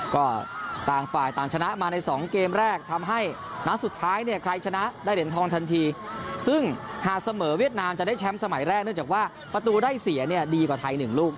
ก็ต่างฝ่ายต่างชนะมาในสองเกมแรกทำให้นัดสุดท้ายเนี่ยใครชนะได้เหรียญทองทันทีซึ่งหากเสมอเวียดนามจะได้แชมป์สมัยแรกเนื่องจากว่าประตูได้เสียเนี่ยดีกว่าไทย๑ลูก